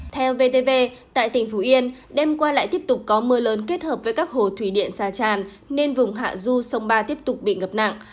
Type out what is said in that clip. theo vtv tại tỉnh phú yên đêm qua lại tiếp tục có mưa lớn kết hợp với các hồ thủy điện xa tràn nên vùng hạ du sông ba tiếp tục bị ngập nặng